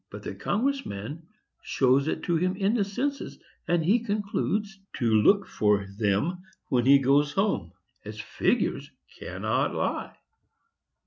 But the Congress man shows it to him in the census, and he concludes to look for them when he goes home, as figures cannot lie."